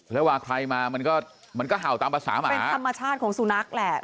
แล้วว่าใครมามันก็เห่าตามประสามารถเป็นธรรมชาติของสูญนักแหละ